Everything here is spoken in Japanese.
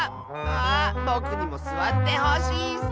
ああぼくにもすわってほしいッス。